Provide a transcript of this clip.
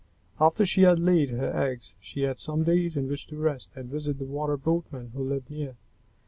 After she had laid her eggs, she had some days in which to rest and visit with the Water Boatmen who lived near.